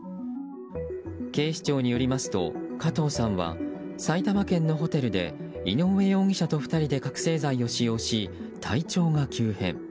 警視庁によりますと、加藤さんは埼玉県のホテルで井上容疑者と２人で覚醒剤を使用し体調が急変。